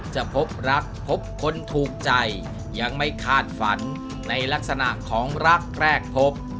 จะพบรักพบคนถูกใจยังไม่คาดฝันในลักษณะของรักแรกพบ